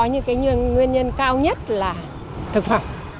nhưng cái nguyên nhân cao nhất là thực phẩm